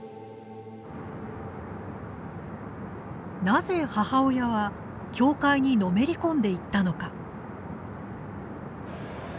なぜ母親は教会にのめり込んでいったのか。